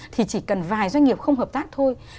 thì chỉ cần vài doanh nghiệp không hợp tác thôi